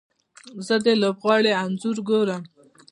زه د لوبغاړي انځور ګورم.